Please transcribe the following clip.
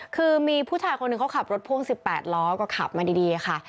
คือมีผู้ชายคนหนึ่งเขาขับรถพ่วง๑๘ล้อก็ขับมาดีค่ะ